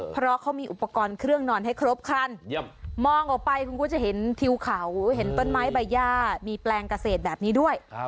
เพราะเขามีอุปกรณ์เครื่องนอนให้ครบคันมองออกไปคุณก็จะเห็นทิวเขาเห็นต้นไม้ใบย่ามีแปลงเกษตรแบบนี้ด้วย